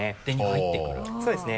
そうですね。